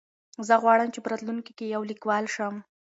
زه غواړم چې په راتلونکي کې یو لیکوال شم.